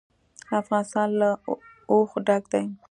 افغانستان له اوښ ډک دی.